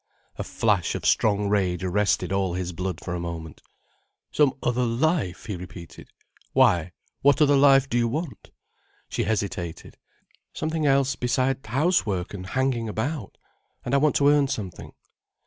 A flash of strong rage arrested all his blood for a moment. "Some other life?" he repeated. "Why, what other life do you want?" She hesitated. "Something else besides housework and hanging about. And I want to earn something."